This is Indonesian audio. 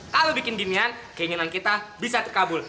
kalau bikin ginian keinginan kita bisa terkabul